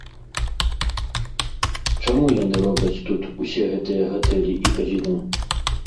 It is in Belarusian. Чаму яны робяць тут усе гэтыя гатэлі і казіно?